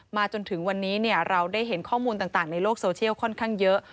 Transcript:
จนถึงวันนี้เราได้เห็นข้อมูลต่างในโลกโซเชียลค่อนข้างเยอะ